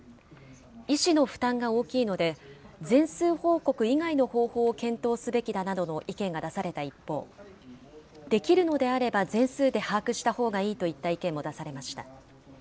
医師の負担が大きいので、全数報告以外の方法を検討すべきだなどの意見が出された一方、できるのであれば全数で把握したほうがいいといった意見も出されました。